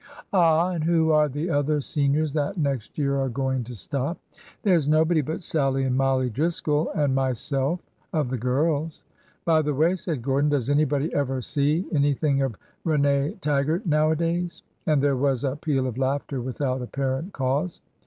Ah ! and who are the other seniors that next year are going to stop ?"" There 's nobody but Sallie and Mollie Driscoll and myself, of the girls." '' By the way," said Gordon, does anybody ever see anything of Rene Taggart nowadays?" and there was a peal of laughter without apparent cause.